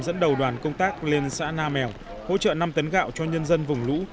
dẫn đầu đoàn công tác lên xã nam mèo hỗ trợ năm tấn gạo cho nhân dân vùng lũ